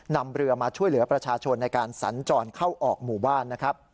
นำเรือมาช่วยเหลือประชาชนในการสัญจรเข้าออกหมู่บ้านนะครับ